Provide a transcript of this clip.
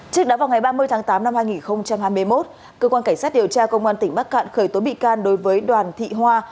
trước đó vào ngày ba mươi tháng tám năm hai nghìn hai mươi một cơ quan cảnh sát điều tra công an tỉnh bắc cạn khởi tố bị can đối với đoàn thị hoa